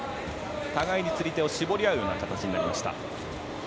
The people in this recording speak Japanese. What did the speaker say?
互いに釣り手を絞り合うような形になりました。